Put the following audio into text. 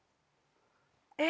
え？